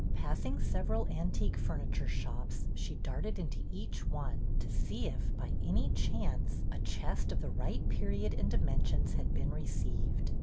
Passing several antique furniture shops, she darted into each one to see if, by any chance, a chest of the right period and dimensions had been received.